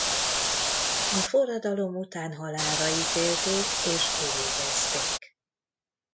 A forradalom után halálra ítélték és kivégezték.